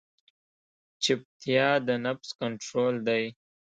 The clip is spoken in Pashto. چپتیا، د نفس کنټرول دی.